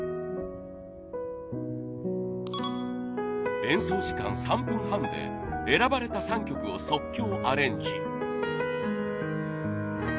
演奏時間３分半で選ばれた３曲を即興アレンジ。